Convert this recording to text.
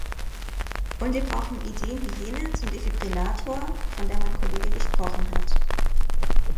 Und wir brauchen Ideen wie jene zum Defibrillator, von der mein Kollege gesprochen hat.